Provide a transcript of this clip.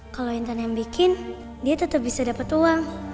kalau intan yang bikin dia tetep bisa dapet uang